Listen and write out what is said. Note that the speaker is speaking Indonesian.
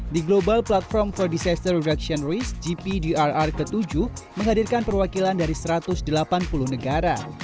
di global platform for disaster reduction risk gpdrr ke tujuh menghadirkan perwakilan dari satu ratus delapan puluh negara